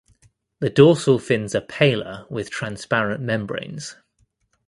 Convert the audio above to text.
The dorsal fins are paler with transparent membranes.